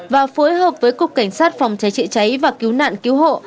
và phối hợp với cục cảnh sát phòng cháy trị cháy và cứu nạn cứu hộ